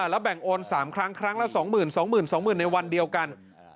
แล้วแบ่งโอน๓ครั้งครั้งละ๒๒๐๐๐ในวันเดียวกัน